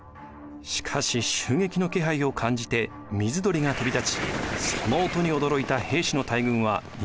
しかし襲撃の気配を感じて水鳥が飛び立ちその音に驚いた平氏の大軍は逃げてしまいます。